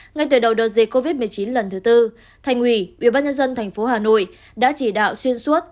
ngay từ đầu đợt dịch covid một mươi chín lần thứ tư thành ủy ubnd tp hà nội đã chỉ đạo xuyên suốt